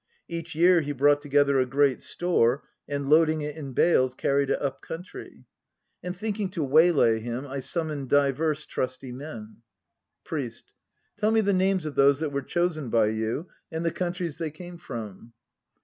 Each year he brought together a great store, and loading it in bales carried it up country. And thinking to waylay him I sum moned divers trusty men. ... PRIEST. Tell me the names of those that were chosen by you and the countries they came from.